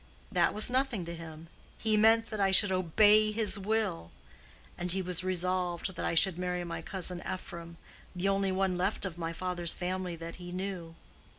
That was nothing to him: he meant that I should obey his will. And he was resolved that I should marry my cousin Ephraim, the only one left of my father's family that he knew.